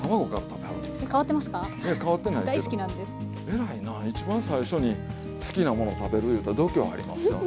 偉いな一番最初に好きなものを食べるいうたら度胸ありますよね。